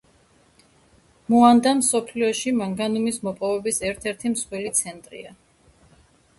მოანდა მსოფლიოში მანგანუმის მოპოვების ერთ-ერთი მსხვილი ცენტრია.